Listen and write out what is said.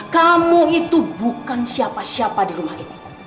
kamu itu bukan siapa siapa di rumah ini